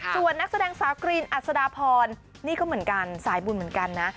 ส่วนนักแสดงสาวกรีนอัศดาพรนี่ก็เหมือนกันสายบุญเหมือนกันนะ